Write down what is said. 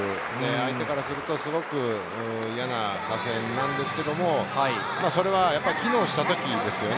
相手からすると、すごく嫌な打線なんですけれども、それは機能した時ですよね。